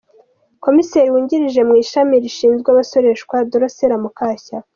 Komiseri wungirije mu ishami rishinzwe abasoreshwa, Drocella Mukashyaka